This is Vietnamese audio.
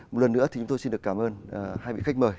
một lần nữa thì chúng tôi xin được cảm ơn hai vị khách mời